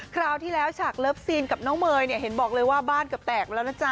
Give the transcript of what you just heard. คราวที่แล้วฉากเลิฟซีนกับน้องเมย์เนี่ยเห็นบอกเลยว่าบ้านเกือบแตกแล้วนะจ๊